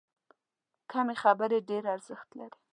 کمې خبرې، ډېر ارزښت لري.